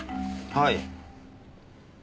はい。